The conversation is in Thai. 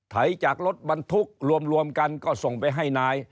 ไถจากรถบรรทุกรวมกันก็ส่งไปให้นาย